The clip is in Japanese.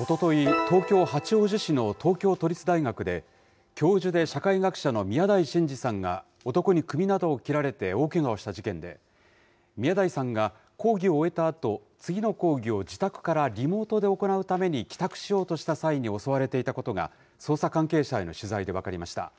おととい、東京・八王子市の東京都立大学で、教授で社会学者の宮台真司さんが、男に首などを切られて大けがをした事件で、宮台さんが、講義を終えたあと、次の講義を自宅からリモートで行うために帰宅しようとした際に襲われていたことが、捜査関係者への取材で分かりました。